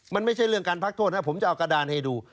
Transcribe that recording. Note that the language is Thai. มันไม่ใช่เรื่องการพักโทษนะผมจะเอากระดานให้ดู